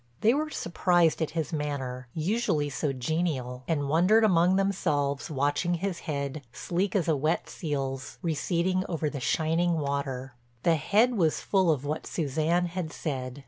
They were surprised at his manner, usually so genial, and wondered among themselves watching his head, sleek as a wet seal's, receding over the shining water. The head was full of what Suzanne had said.